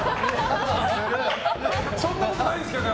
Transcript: そんなことないんですけどね